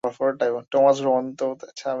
Thomas ভ্রমণ তাঁবুতে অভিনয় করতে শুরু করেন।